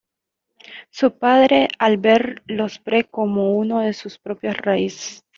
Su padre al ver los pre como uno de sus propias raíces.